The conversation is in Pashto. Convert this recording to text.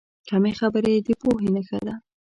کمې خبرې، د پوهې نښه ده.